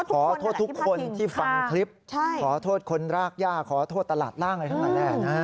ขอโทษทุกคนที่ฟังคลิปขอโทษคนรากย่าขอโทษตลาดร่างอะไรทั้งหลายแหละ